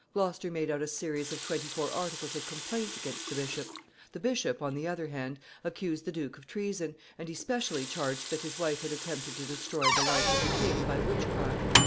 Gloucester made out a series of twenty four articles of complaint against the bishop. The bishop, on the other hand, accused the duke of treason, and he specially charged that his wife had attempted to destroy the life of the king by witchcraft.